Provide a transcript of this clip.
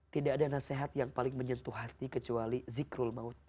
tidak ada nasihat yang paling menyentuh hati kecuali zikrul maut